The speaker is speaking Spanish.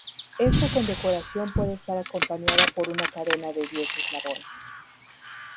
Esta condecoración puede estar acompañada por una cadena de diez eslabones.